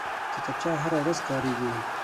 کتابچه هره ورځ کارېږي